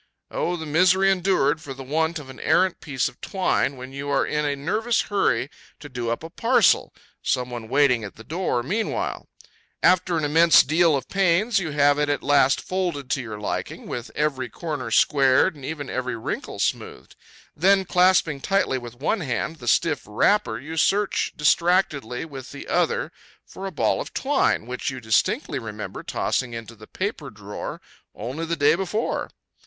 O the misery endured for the want of an errant piece of twine, when you are in a nervous hurry to do up a parcel, some one waiting at the door meanwhile! After an immense deal of pains, you have it at last folded to your liking, with every corner squared and even, every wrinkle smoothed. Then, clasping tightly with one hand the stiff wrapper, you search distractedly with the other for a ball of twine, which you distinctly remember tossing into the paper drawer only the day before.